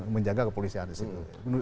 menjaga kepolisian di situ